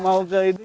iya jalannya begini